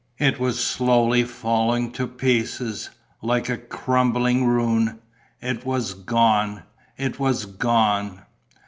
It was slowly falling to pieces, like a crumbling ruin. It was gone! It was gone!...